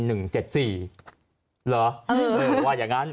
เหรอ